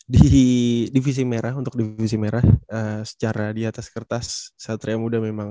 di divisi merah untuk divisi merah secara di atas kertas satria muda memang